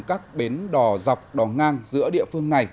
các bến đò dọc đò ngang giữa địa phương này